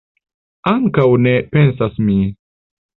Ankaŭ ne pensas mi.